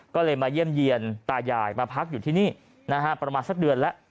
ก็เลยมาเยี่ยมเยี่ยนตายายมาพักอยู่ที่นี่นะฮะประมาณสักเดือนแล้ว